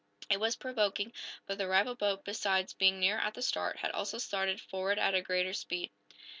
It was provoking, but the rival boat, besides being nearer at the start, had also started forward at greater speed.